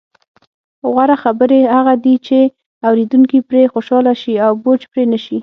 غوره خبرې هغه دي، چې اوریدونکي پرې خوشحاله شي او بوج پرې نه شي.